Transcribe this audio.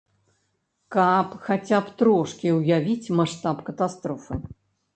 Каб хаця б трошкі ўявіць маштаб катастрофы.